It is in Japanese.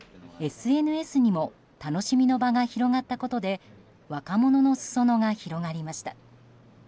ＳＮＳにも楽しみの場が広がったことで若者の裾野が広がりました。